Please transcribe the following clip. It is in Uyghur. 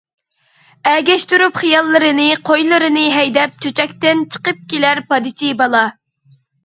ئەگەشتۈرۈپ خىياللىرىنى، قويلىرىنى ھەيدەپ چۆچەكتىن، چىقىپ كېلەر پادىچى بالا.